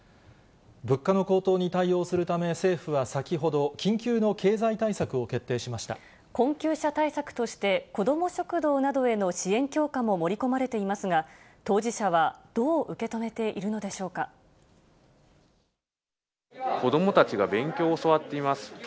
物価の高騰に対応するため政府は先ほど、緊急の経済対策を決定し困窮者対策として、子ども食堂などへの支援強化も盛り込まれていますが、当事者はど子どもたちが勉強を教わっています。